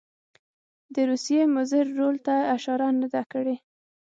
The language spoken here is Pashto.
د روسیې مضر رول ته یې اشاره نه ده کړې.